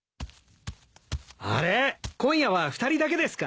あれ今夜は２人だけですか？